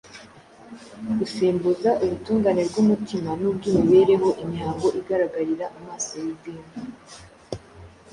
gusimbuza ubutungane bw’umutima n’ubw’imibereho imihango igaragarira amaso y’idini,